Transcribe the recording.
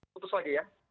putus lagi ya